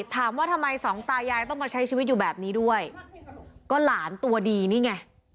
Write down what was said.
ถามว่าทำไมสองตายายต้องมาใช้ชีวิตอยู่แบบนี้ด้วยก็หลานตัวดีนี่ไง